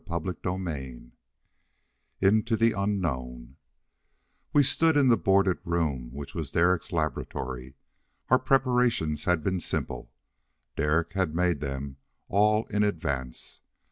CHAPTER III Into the Unknown We stood in the boarded room which was Derek's laboratory. Our preparations had been simple: Derek had made them all in advance.